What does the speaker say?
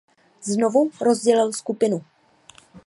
Znovu rozdělil skupinu.